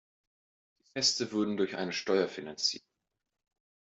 Die Feste wurden durch eine Steuer finanziert.